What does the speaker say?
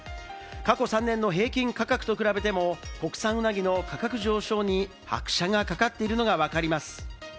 過去３年の平均価格と比べても、国産ウナギの価格上昇に拍車がかかっているのがわかります。